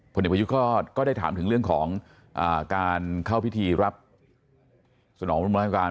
เด็กประยุทธ์ก็ได้ถามถึงเรื่องของการเข้าพิธีรับสนองโรงพยาบาล